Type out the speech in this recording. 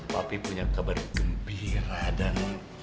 tapi punya kabar gembira dan